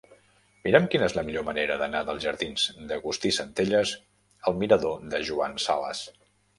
Mira'm quina és la millor manera d'anar dels jardins d'Agustí Centelles al mirador de Joan Sales.